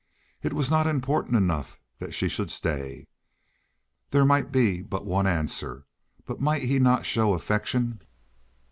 It was not important enough that she should stay. There might be but one answer. But might he not show affection?